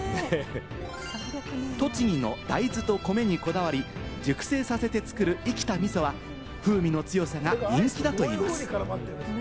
栃木の大豆と米にこだわり、熟成させて作る生きた味噌は風味の強さが人気だといいます。